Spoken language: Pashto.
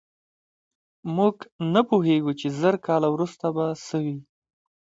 موږ نه پوهېږو چې زر کاله وروسته به څه وي.